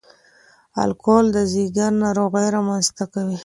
الکول د ځګر ناروغۍ رامنځ ته کوي.